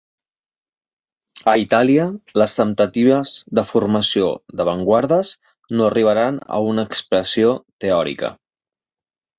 A Itàlia, les temptatives de formació d'avantguardes no arribaran a una expressió teòrica.